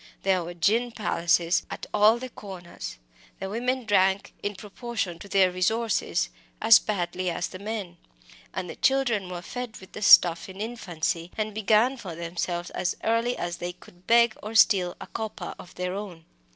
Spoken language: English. There were gin palaces at all the corners; the women drank, in proportion to their resources, as badly as the men, and the children were fed with the stuff in infancy, and began for themselves as early as they could beg or steal a copper of their own.